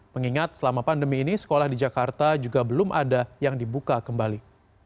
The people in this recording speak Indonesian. mengingat selama pandemi ini sekolah di jakarta juga belum ada yang dibuka kembali